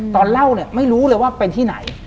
ตอนเล่าเนี่ยไม่รู้เลยว่าเป็นที่ไหน